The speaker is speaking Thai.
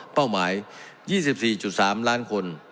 เป้าหมาย๒๔๓ล้านคน